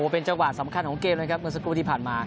เป็นจังหวะสำคัญของเกมนะครับเมื่อสักครู่ที่ผ่านมา